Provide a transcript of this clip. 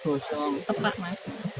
terus ini tangan tangan